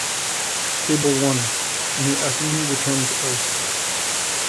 Cable won, and he and Lee returned to Earth.